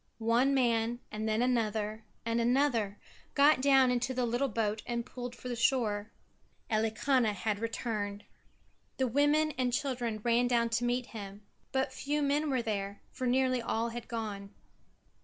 One man and then another and another got down into the little boat and pulled for the shore. Elikana had returned. The women and children ran down to meet him but few men were there, for nearly all had gone.